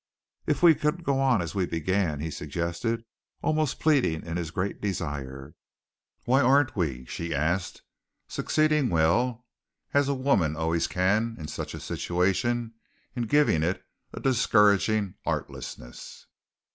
"If we could go on as we began," he suggested, almost pleading in his great desire. "Why, aren't we?" she asked, succeeding well, as a woman always can in such a situation, in giving it a discouraging artlessness.